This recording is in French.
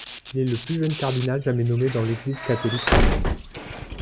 Il est le plus jeune cardinal jamais nommé dans l'Église catholique romaine.